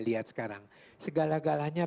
lihat sekarang segala galanya